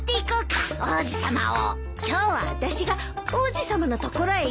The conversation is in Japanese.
今日はあたしが王子様の所へ行くの。